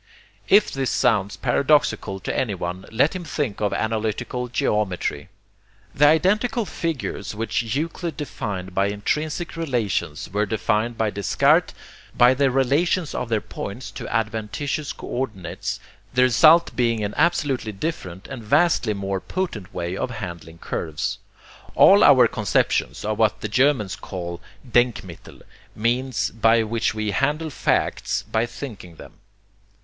If this sounds paradoxical to anyone, let him think of analytical geometry. The identical figures which Euclid defined by intrinsic relations were defined by Descartes by the relations of their points to adventitious co ordinates, the result being an absolutely different and vastly more potent way of handling curves. All our conceptions are what the Germans call denkmittel, means by which we handle facts by thinking them.